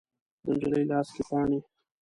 د نجلۍ لاس کې پاڼې